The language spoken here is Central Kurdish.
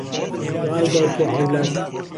دوعای دايک بۆ عهولاد